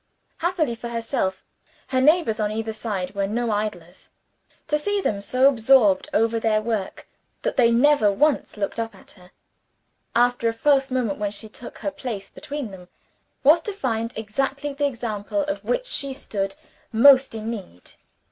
Happily for herself, her neighbors on either side were no idlers. To see them so absorbed over their work that they never once looked at her, after the first moment when she took her place between them, was to find exactly the example of which she stood most in need.